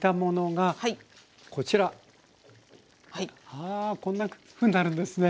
あこんなふうになるんですね。